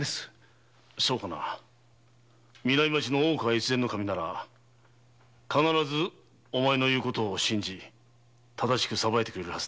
越前守なら必ずお前の言う事を信じ正しく裁いてくれるはずだ。